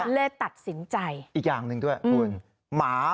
เลยตัดสินใจอีกอย่างหนึ่งด้วยคุณหมา